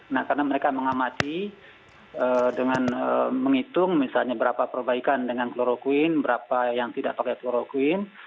nah karena mereka mengamati dengan menghitung misalnya berapa perbaikan dengan kloroquine berapa yang tidak pakai kloroquine